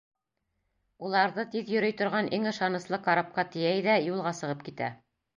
Уларҙы тиҙ йөрөй торған иң ышаныслы карапҡа тейәй ҙә юлға сығып китә.